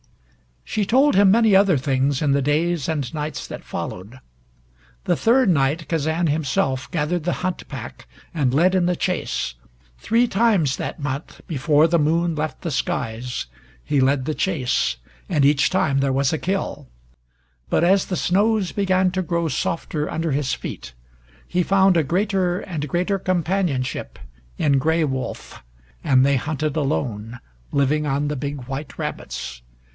She told him many other things in the days and nights that followed. The third night Kazan himself gathered the hunt pack and led in the chase. Three times that month, before the moon left the skies, he led the chase, and each time there was a kill. But as the snows began to grow softer under his feet he found a greater and greater companionship in Gray Wolf, and they hunted alone, living on the big white rabbits.